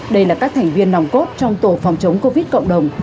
đây là các thành viên nòng cốt trong tổ phòng chống covid cộng đồng